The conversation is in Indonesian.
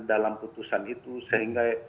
dalam putusan itu sehingga